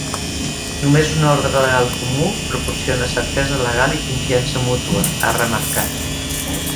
Només un ordre legal comú proporciona certesa legal i confiança mútua, ha remarcat.